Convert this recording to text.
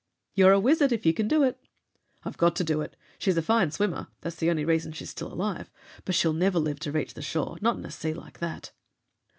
"You're a wizard if you can do it!" "I've got to do it! She's a fine swimmer that's the only reason she's still alive but she'll never live to reach the shore. Not in a sea like that!"